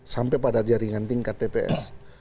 sampai pada jaringan tingkat tps